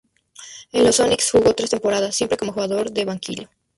En los Sonics jugó tres temporadas, siempre como jugador de banquillo.